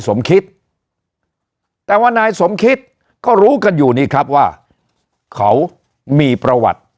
สมคิดแต่ว่านายสมคิดก็รู้กันอยู่นี่ครับว่าเขามีประวัติ